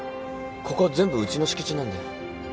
ここ全部うちの敷地なんだよ。